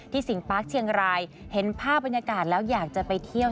สิงปาร์คเชียงรายเห็นภาพบรรยากาศแล้วอยากจะไปเที่ยว